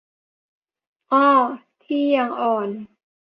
อ้อ ที่ "ยังอ่อน"